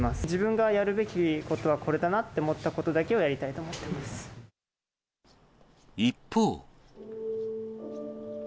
自分がやるべきことはこれだなって思ったことだけをやりたいと思一方。